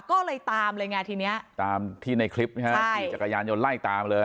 ก็เลยตามเลยไงทีเนี้ยตามที่ในคลิปนะฮะขี่จักรยานยนต์ไล่ตามเลย